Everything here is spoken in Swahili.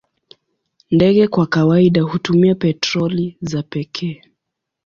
Ndege kwa kawaida hutumia petroli za pekee.